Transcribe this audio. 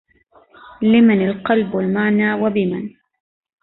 لمن القلب المعنى وبمن